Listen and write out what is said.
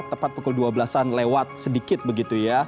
tepat pukul dua belas an lewat sedikit begitu ya